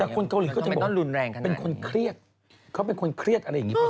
แต่คนเกาหลีเขาจะบอกไม่ต้องรุนแรงขนาดนี้เป็นคนเครียดเขาเป็นคนเครียดอะไรอย่างงี้